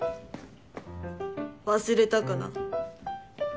忘れたかな。